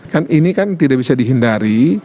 kan ini kan tidak bisa dihindari